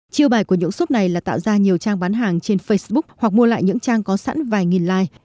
chiêu bài của những shop này là tạo ra nhiều trang bán hàng trên facebook hoặc mua lại những trang có sẵn vài nghìn like